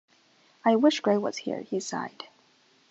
"I wish Gray was here," he sighed.